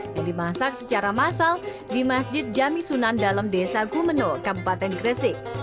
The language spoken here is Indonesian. yang dimasak secara massal di masjid jami sunan dalam desa gumeno kabupaten gresik